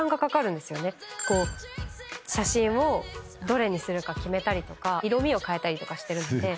こう写真をどれにするか決めたりとか色みを変えたりとかしてるので。